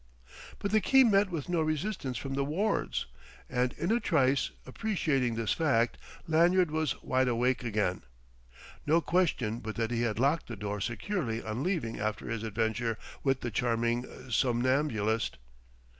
But the key met with no resistance from the wards; and in a trice, appreciating this fact, Lanyard was wide awake again. No question but that he had locked the door securely, on leaving after his adventure with the charming somnambulist....